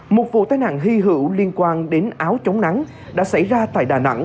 một vụ tai nạn hy hữu liên quan đến áo chống nắng đã xảy ra tại đà nẵng